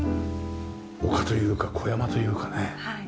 丘というか小山というかね。